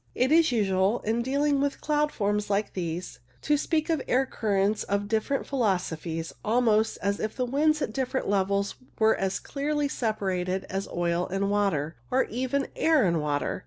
It is usual, in dealing with cloud forms like these, to speak of air currents of "^< a,. o TAILED CIRRUS 3? different velocities almost as if the winds at different levels were as clearly separated as oil and water, or even air and water.